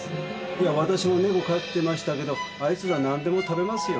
いやわたしも猫飼ってましたけどあいつらなんでも食べますよ。